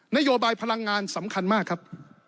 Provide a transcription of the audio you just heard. นโยบายพลังงานสำคัญมากครับ